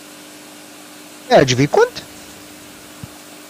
Iɛǧeb-ikent?